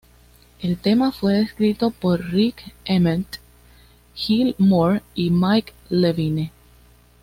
El tema fue escrito por Rik Emmett, Gil Moore y Mike Levine.